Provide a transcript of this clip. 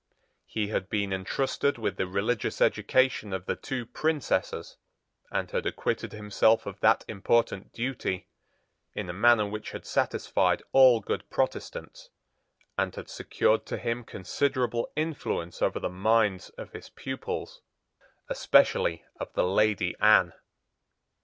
He had been entrusted with the religious education of the two Princesses, and had acquitted himself of that important duty in a manner which had satisfied all good Protestants, and had secured to him considerable influence over the minds of his pupils, especially of the Lady Anne.